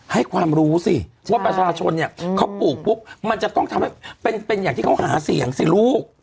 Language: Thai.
ให้ความรู้สิว่าประชาชนเนี่ยเขาปลูกปุ๊บมันจะต้องทำให้เป็นอย่างที่เขาหาเสียงสิลูก